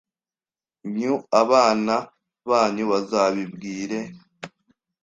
nyu abana banyu bazabibwire